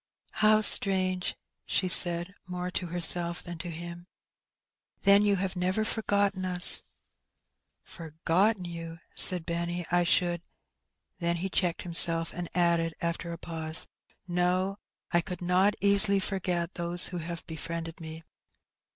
" How strange !" she said, more to herself than to him. "Then you have never forgotten us?" " Forgotten you !" said Benny. " I should ^" Then he checked himself, and added, after a pause, " No, I could not easily forget those who have befriended me."